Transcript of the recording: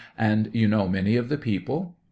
And know many of the people ? A.